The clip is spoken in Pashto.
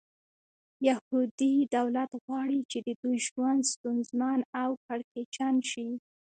یهودي دولت غواړي چې د دوی ژوند ستونزمن او کړکېچن شي.